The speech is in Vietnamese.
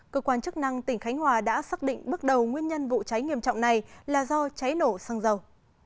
cơ quan chức năng tỉnh khánh hòa đã xác định bước đầu nguyên nhân vụ cháy nghiêm trọng này là do cháy nổ xăng dầu